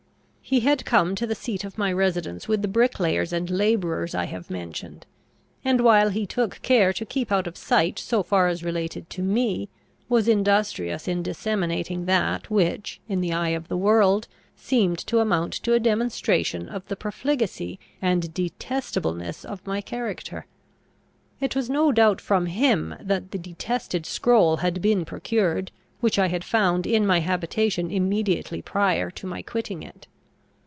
He had come to the seat of my residence with the bricklayers and labourers I have mentioned; and, while he took care to keep out of sight so far as related to me, was industrious in disseminating that which, in the eye of the world, seemed to amount to a demonstration of the profligacy and detestableness of my character. It was no doubt from him that the detested scroll had been procured, which I had found in my habitation immediately prior to my quitting it.